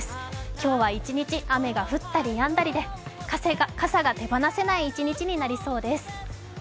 今日は一日雨が降ったりやんだりで傘が手放せない一日になりそうです。